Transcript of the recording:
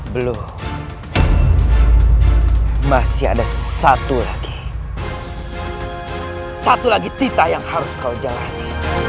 belum masih ada satu lagi satu lagi tita yang harus kau jalani